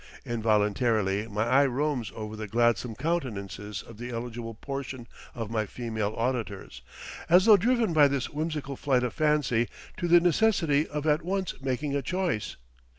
Involuntarily my eye roams over the gladsome countenances of the eligible portion of my female auditors, as though driven by this whimsical flight of fancy to the necessity of at once making a choice.